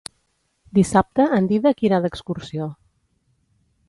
Dissabte en Dídac irà d'excursió.